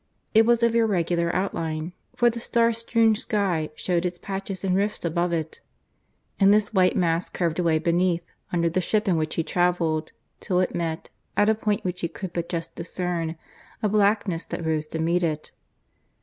It was of irregular outline, for the star strewn sky showed in patches and rifts above it. And this white mass curved away beneath, under the ship in which he travelled, till it met, at a point which he could but just discern, a blackness that rose to meet it.